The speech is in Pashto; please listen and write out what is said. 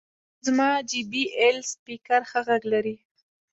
زما جې بي ایل سپیکر ښه غږ لري.